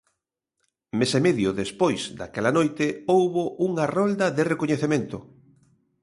Mes e medio despois daquela noite, houbo unha rolda de recoñecemento.